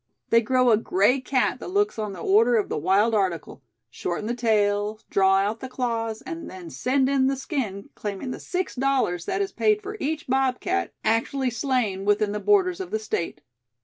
They grow a gray cat that looks on the order of the wild article shorten the tail, draw out the claws, and then send in the skin, claiming the six dollars that is paid for each bobcat actually slain within the borders of the State."